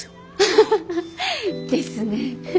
ハハハッですね。